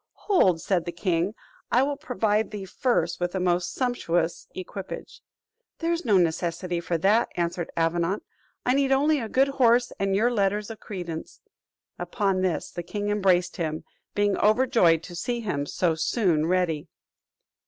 "Hold," said the king, "I will provide thee first with a most sumptuous equipage." "There is no necessity for that," answered Avenant; "I need only a good horse and your letters of credence." Upon this the king embraced him; being overjoyed to see him so soon ready.